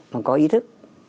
còn có ý thức